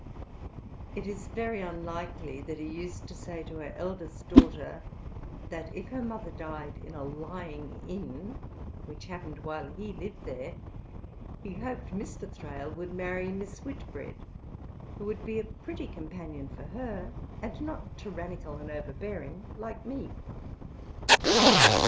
It is very unlikely that he used to say to her eldest daughter 'that, if her mother died in a lying in which happened while he lived here, he hoped Mr. Thrale would marry Miss Whitbred, who would be a pretty companion for her, and not tyrannical and overbearing like me.'